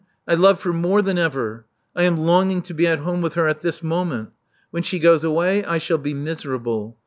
I love her more than ever. I am longing to be at home with her* at this moment. When she goes away, I shall be miserable.